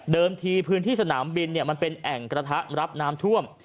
ทีพื้นที่สนามบินมันเป็นแอ่งกระทะรับน้ำท่วม